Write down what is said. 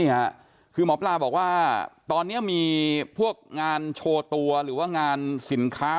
นี่ค่ะคือหมอปลาบอกว่าตอนนี้มีพวกงานโชว์ตัวหรือว่างานสินค้า